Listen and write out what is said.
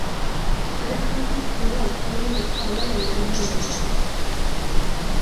Men efter ditt giftermål kan man inte tala längre med henne om dig.